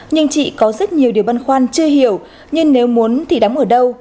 nhưng chị có rất nhiều điều băn khoăn chưa hiểu nhưng nếu muốn thì đóng ở đâu